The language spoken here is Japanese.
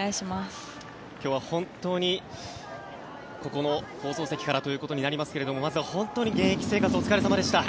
今日は本当にここの放送席からということになりますがまずは本当に現役生活お疲れ様でした。